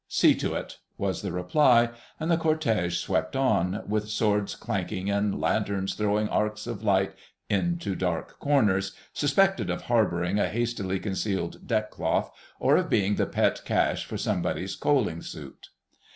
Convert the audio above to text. "See to it," was the reply, and the cortége swept on, with swords clanking and lanterns throwing arcs of light into dark corners suspected of harbouring a hastily concealed deck cloth or of being the pet cache for somebody's coaling suit.